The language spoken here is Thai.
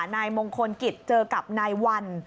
นายมงคลกิจเจอกับนายวัน